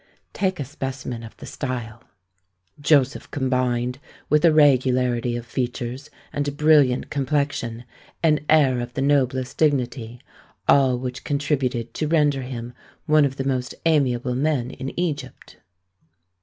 Take a specimen of the style. "Joseph combined, with a regularity of features and a brilliant complexion, an air of the noblest dignity; all which contributed to render him one of the most amiable men in Egypt."